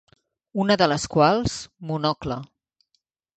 Una de les quals “Monocle”.